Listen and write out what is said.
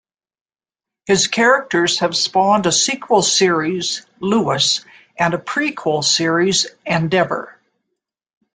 His characters have spawned a sequel series, "Lewis", and a prequel series, "Endeavour".